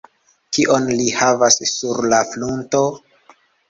Kion li havas sur la frunto?